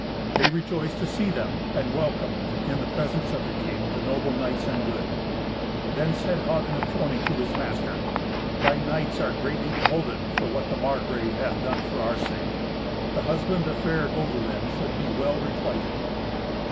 They rejoiced to see them, and welcomed, in the presence of the king, the noble knights and good. Then said Hagen of Trony to his master, "Thy knights are greatly beholden for what the Margrave hath done for our sake. The husband of fair Gotelind should be well requited."